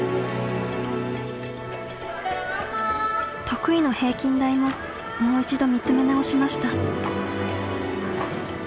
得意の平均台ももう一度見つめ直しました。